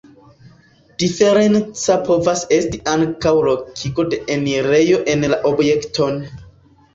Diferenca povas esti ankaŭ lokigo de enirejo en la objekton.